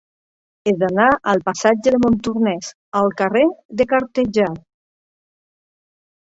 He d'anar del passatge de Montornès al carrer de Cartellà.